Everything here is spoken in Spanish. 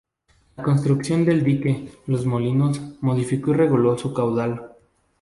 La construcción del Dique Los Molinos modificó y reguló su caudal.